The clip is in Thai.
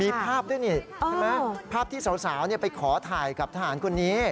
มีภาพด้วยนี่ใช่ไหมภาพที่สาวไปขอถ่ายกับทหารคนนี้